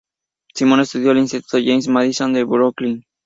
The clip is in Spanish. Simon estudió en el Instituto James Madison de Brooklyn.